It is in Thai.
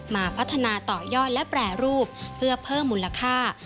มาพัฒนาต่อยอดและแปรรูปเพื่อเพิ่มมูลค่า